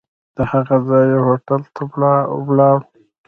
له هغه ځایه هوټل ته ولاړو.